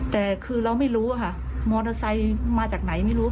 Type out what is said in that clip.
แต่คือเราไม่รู้ค่ะมอเตอร์ไซค์มาจากไหนไม่รู้